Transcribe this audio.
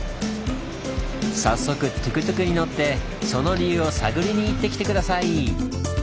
早速トゥクトゥクに乗ってその理由を探りに行ってきて下さい！